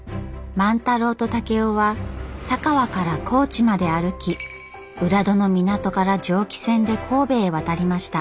万太郎と竹雄は佐川から高知まで歩き浦戸の港から蒸気船で神戸へ渡りました。